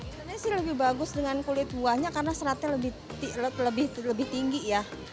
sebenarnya sih lebih bagus dengan kulit buahnya karena seratnya lebih tinggi ya